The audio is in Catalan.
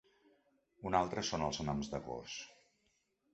Un altre són els noms de gos.